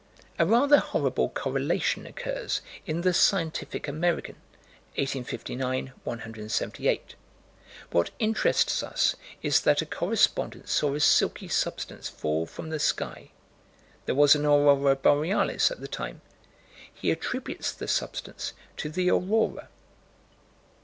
A rather horrible correlation occurs in the Scientific American, 1859 178. What interests us is that a correspondent saw a silky substance fall from the sky there was an aurora borealis at the time he attributes the substance to the aurora.